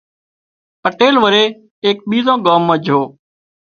پٽيل وري ايڪ ٻيۯان ڳام مان جھو